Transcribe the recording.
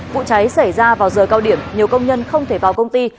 vụ cháy xảy ra vào giờ cao điểm nhiều công nhân không thể vào công ty